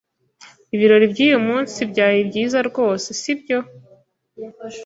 Ibirori byuyu munsi byari byiza rwose, sibyo?